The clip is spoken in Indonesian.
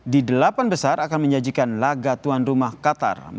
di delapan besar akan menyajikan laga tuan rumah qatar